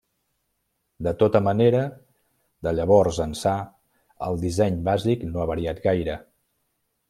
De tota manera, de llavors ençà el disseny bàsic no ha variat gaire.